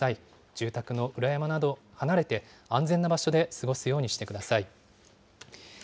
住宅の裏山など離れて、安全な場所で過ごすようにしてください。